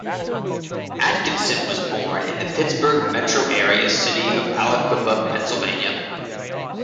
Atkinson was born in the Pittsburgh Metro Area city of Aliquippa, Pennsylvania.